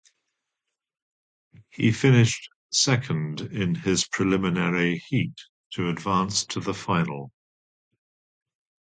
He finished second in his preliminary heat to advance to the final.